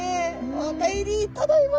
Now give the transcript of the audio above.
「お帰り」「ただいま」。